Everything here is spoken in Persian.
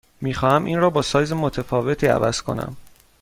می خواهم این را با سایز متفاوتی عوض کنم.